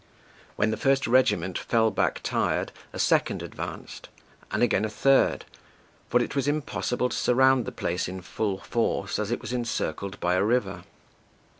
When the first regiment fell back tired, a second advanced, and again a third, for it was impossible to surround the place in full force, as it was encircled by a river.